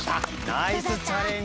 ナイスチャレンジ。